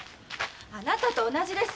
あなたと同じです。